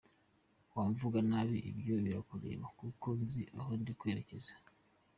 Wamvuga nabi ibyo birakureba kuko nzi aho ndi kwerekeza.